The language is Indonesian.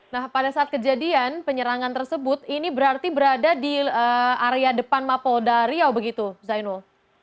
nah pada saat kejadian penyerangan tersebut ini berarti berada di area depan mapolda riau begitu zainul